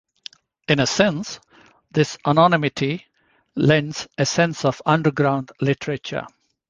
In a sense, this anonymity lends a sense of "underground literature".